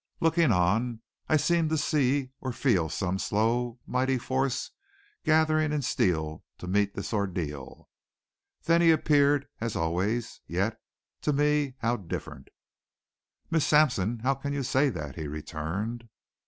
Looking on, I seemed to see or feel some slow, mighty force gathering in Steele to meet this ordeal. Then he appeared as always yet, to me, how different! "Miss Sampson, how can you say that?" he returned.